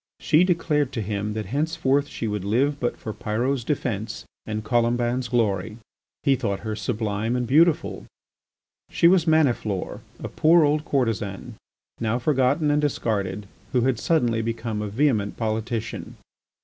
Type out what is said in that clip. She declared to him that henceforth she would live but for Pyrot's defence and Colomban's glory. He thought her sublime and beautiful. She was Maniflore, a poor old courtesan, now forgotten and discarded, who had suddenly become a vehement politician.